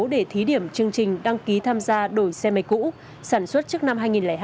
để thí điểm chương trình đăng ký tham gia đổi xe máy cũ sản xuất trước năm hai nghìn hai